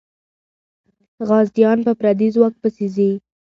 غازيان په پردي ځواک پسې ځي.